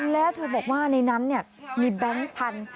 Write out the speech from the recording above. แล้วเธอบอกว่าในนั้นมีแบงค์พันธุ